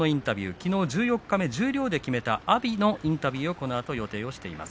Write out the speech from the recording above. きのう十四日目に十両で決めた阿炎のインタビューをこのあと予定しています。